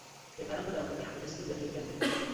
کرێکاران بۆ داواکردنی حەقدەستی زیاتر یەکیان گرت.